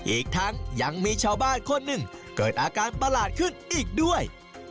อีกทั้งยังมีชาวบ้านคนหนึ่งเกิดอาการประหลาดขึ้นอีกด้วย